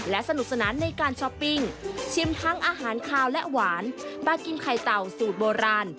และสนุกสนานในการช้อปปิ้งชิมทั้งอาหารคาวและหวานบากิมไข่เต่าสูตรโบราณ